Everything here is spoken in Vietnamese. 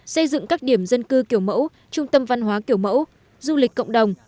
xây dựng các điểm dân cư kiểu mẫu trung tâm văn hóa kiểu mẫu du lịch cộng đồng